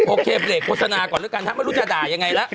โอเคเบรกโฆษณาก่อนแล้วกันครับไม่รู้จะด่ายังไงละ